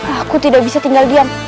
aku tidak bisa tinggal diam